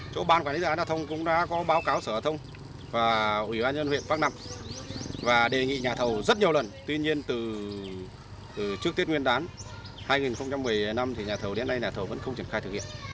chỗ ban quản lý gia hạn hạ thông cũng đã có báo cáo sở hạ thông và ủy ban nhân huyện bắc nạm và đề nghị nhà thầu rất nhiều lần tuy nhiên từ trước tiết nguyên đán hai nghìn một mươi năm thì nhà thầu đến nay nhà thầu vẫn không triển khai thực hiện